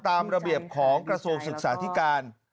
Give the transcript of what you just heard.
ตามระเบียบของกระทรวงศึกษาธิการ